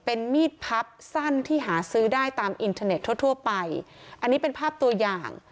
เป็นมีดพับสั้นที่หาซื้อได้ตามอินเทอร์เน็ตทั่วทั่วไปอันนี้เป็นภาพตัวอย่าง